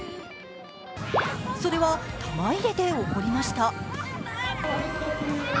それは玉入れで起こりました。